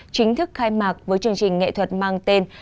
chính thức khai mạc với chương trình nghệ thuật mang tên